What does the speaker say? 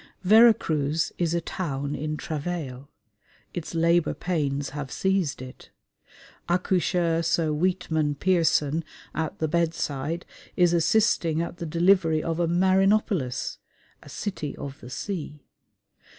Vera Cruz is a town in travail. Its labour pains have seized it. Accoucheur Sir Weetman Pearson at the bedside is assisting at the delivery of a marinopolis a City of the Sea.